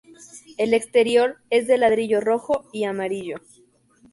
El exterior es de ladrillo rojo y amarillo.